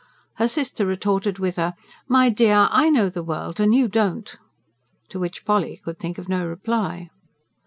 her sister retorted with a: "My dear, I know the world, and you don't," to which Polly could think of no reply.